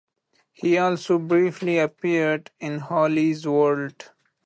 He also briefly appeared in 'Holly's World.